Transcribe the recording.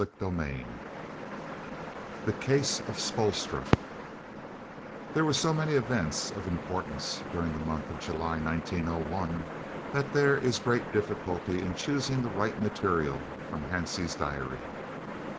CHAPTER XVIII THE CASE OF SPOELSTRA There were so many events of importance during the month of July 1901 that there is great difficulty in choosing the right material from Hansie's diary.